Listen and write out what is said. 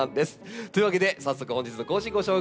というわけで早速本日の講師ご紹介しましょう。